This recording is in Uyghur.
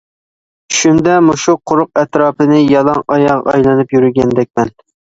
چۈشۈمدە مۇشۇ قورۇق ئەتراپىنى يالاڭ ئاياغ ئايلىنىپ يۈرگۈدەكمەن.